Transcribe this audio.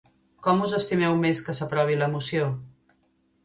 Com us estimeu més que s’aprovi la moció?